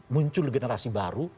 muncul generasi baru